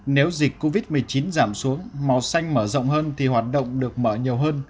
nếu dịch covid một mươi chín giảm xuống màu xanh mở rộng hơn thì hoạt động được mở nhiều hơn